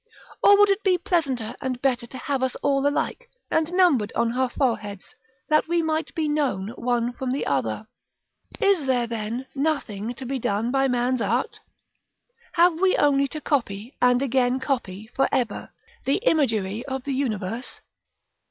Or would it be pleasanter and better to have us all alike, and numbered on our foreheads, that we might be known one from the other? § V. Is there, then, nothing to be done by man's art? Have we only to copy, and again copy, for ever, the imagery of the universe?